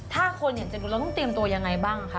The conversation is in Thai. ถ้าคนอยากจะดูเราต้องเตรียมตัวยังไงบ้างคะ